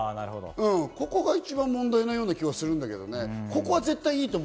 ここが一番問題のような気がするけどね。